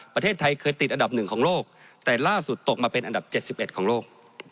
ประเทศไทยเคยติดอันดับหนึ่งของโลกแต่ล่าสุดตกมาเป็นอันดับ๗๑ของโลก